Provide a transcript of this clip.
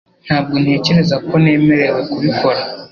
Ntabwo ntekereza ko nemerewe kubikora